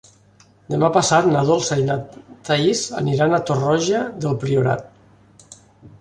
Demà passat na Dolça i na Thaís aniran a Torroja del Priorat.